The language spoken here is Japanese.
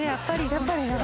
やっぱり。